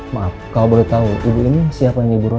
maaf kalau boleh tahu ibu ini siapa ibu rosa